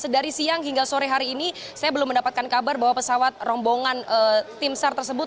dari siang hingga sore hari ini saya belum mendapatkan kabar bahwa pesawat rombongan tim sar tersebut